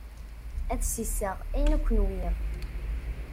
Ad sisseɣ ayen akk nwiɣ.